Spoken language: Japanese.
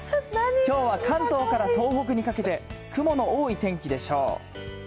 きょうは関東から東北にかけて、雲の多い天気でしょう。